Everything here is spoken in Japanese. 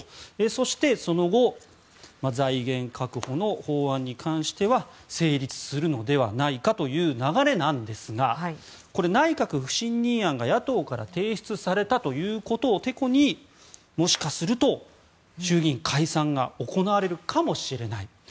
そして、その後財源確保の法案に関しては成立するのではないかという流れなんですがこれ、内閣不信任案が野党から提出されたということをてこにもしかすると、衆議院解散が行われるかもしれない。